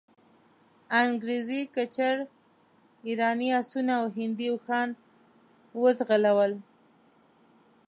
انګریزي کچر، ایراني آسونه او هندي اوښان وځغلول.